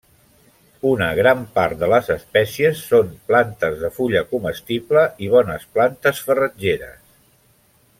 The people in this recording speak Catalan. Una gran part de les espècies són plantes de fulla comestible i bones plantes farratgeres.